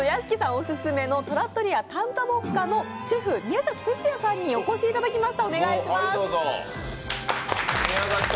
オススメのトラットリアタンタポッカのシェフ、宮崎哲也さんにお越しいただきました。